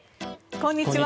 こんにちは。